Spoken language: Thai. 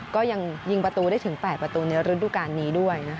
ก็ยังยิงประตูได้ถึง๘ประตูในฤดูการนี้ด้วยนะคะ